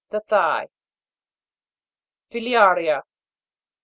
The thigh. FILIA'RIA.